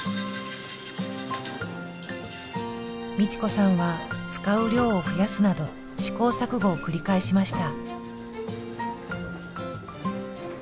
美智子さんは使う量を増やすなど試行錯誤を繰り返しました。